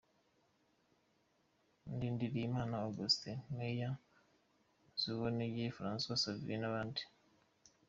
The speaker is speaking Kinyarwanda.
Ndindiriyimana Augustin, Major Nzuwonemeye François Xavier n’abandi.